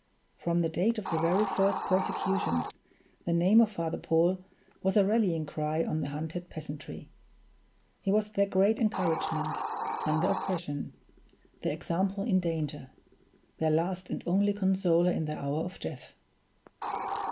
From the date of the very first persecutions the name of Father Paul was a rallying cry of the hunted peasantry; he was their great encouragement under oppression, their example in danger, their last and only consoler in the hour of death.